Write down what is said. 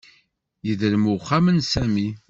Yedrem uxxam n Sami.